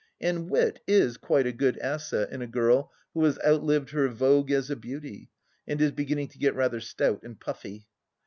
And wit is quite a good asset in a girl who has outlived her vogue as a beauty and is beginning to grow rather stout and puffy.